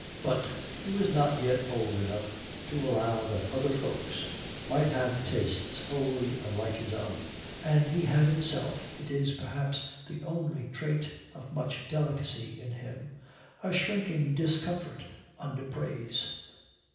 But he was not yet old enough to allow that other folks might have tastes wholly unlike his own, and he had himself it is perhaps the only trait of much delicacy in him a shrinking discomfort under praise.